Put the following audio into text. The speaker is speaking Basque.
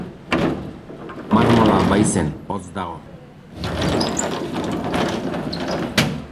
Marmola baizen hotz dago!.